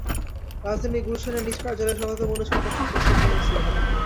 রাজধানীর গুলশানে নিজ কার্যালয়ে সন্ধ্যা পৌনে ছয়টায় সংবাদ সম্মেলন শুরু হয়।